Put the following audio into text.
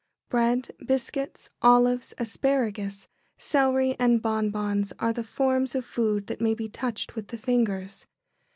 ] Bread, biscuits, olives, asparagus, celery, and bonbons are the forms of food that may be touched with the fingers.